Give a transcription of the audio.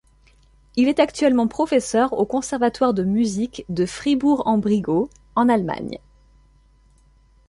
Il est actuellement professeur au Conservatoire de musique de Fribourg-en-Brisgau en Allemagne.